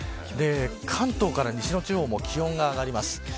関東から西の地方も気温が上がります。